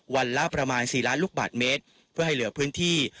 ละประมาณ๔ล้านลูกบาทเมตรเพื่อให้เหลือพื้นที่